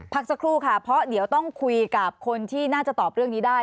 สักครู่ค่ะเพราะเดี๋ยวต้องคุยกับคนที่น่าจะตอบเรื่องนี้ได้